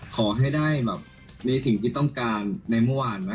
ขอให้ได้แบบในสิ่งที่ต้องการในเมื่อวานไหม